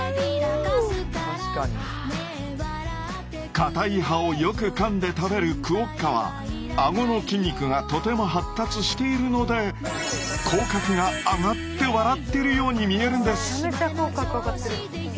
かたい葉をよくかんで食べるクオッカはアゴの筋肉がとても発達しているので口角が上がって笑ってるように見えるんです。